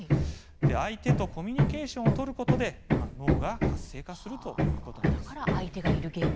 相手とコミュニケーションを取ることで脳が活性化するということです。